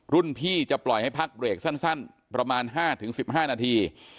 รุ่นพี่จะปล่อยให้พักเบรกสั้นประมาณ๕๑๕นาที